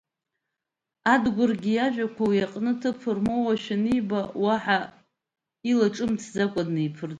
Адгәыргьы, иажәақәа уи иҟны ҭыԥ рмоуашәа аниба, уаҳа илаҿымҭӡакәа днеиԥырҵит.